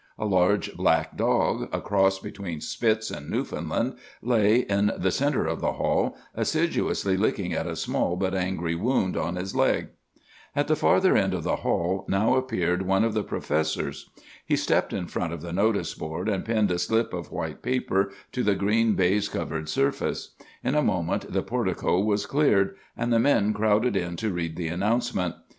A large black dog, a cross between Spitz and Newfoundland, lay in the centre of the hall, assiduously licking at a small but angry wound on his leg. "At the farther end of the hall now appeared one of the professors. He stepped in front of the notice board, and pinned a slip of white paper to the green baize covered surface. In a moment the portico was cleared; and the men crowded in to read the announcement.